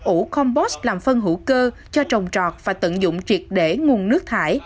ủ compost làm phân hữu cơ cho trồng trọt và tận dụng triệt để nguồn nước thải